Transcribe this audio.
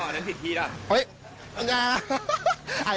เฮ้ย